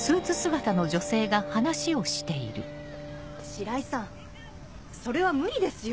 白井さんそれは無理ですよ。